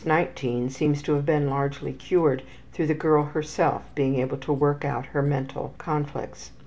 Case 19 seems to have been largely cured through the girl herself being able to work out her mental conflicts.